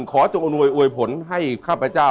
จงอำนวยอวยผลให้ข้าพเจ้า